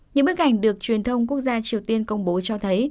những bức ảnh được truyền thông quốc gia triều tiên công bố cho thấy